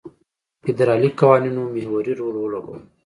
فدرالي قوانینو محوري رول ولوباوه.